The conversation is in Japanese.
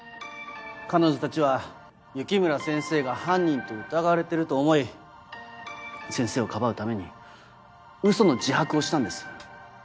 彼女たちは雪村先生が犯人と疑われてると思い先生を庇うためにウソの自白をしたんです。